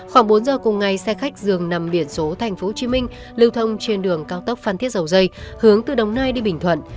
khoảng bốn giờ cùng ngày xe khách dường nằm biển số tp hcm lưu thông trên đường cao tốc phan thiết dầu dây hướng từ đồng nai đi bình thuận